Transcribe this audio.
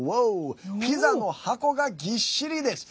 ピザの箱がぎっしりです。